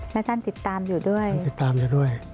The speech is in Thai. แล้วท่านติดตามอยู่ด้วย